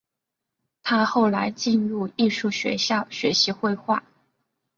他后来进入艺术学校学习绘画。